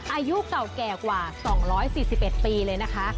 อายุเก่าแก่กว่า๒๔๑ปีเลยนะคะ